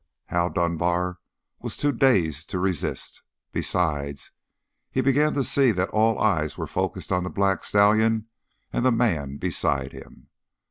Hal Dunbar was too dazed to resist. Besides, he began to see that all eyes were focused on the black stallion and the man beside him.